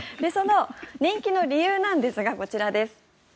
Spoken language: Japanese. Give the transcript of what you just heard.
その人気の理由なんですがこちらです。